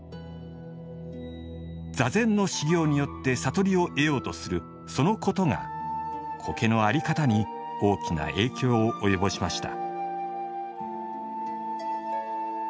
座禅の修行によって悟りを得ようとするそのことが苔の在り方に大きな影響を及ぼしました。